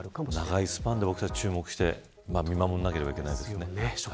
長いスパンで注目して見守らなければいけませんね。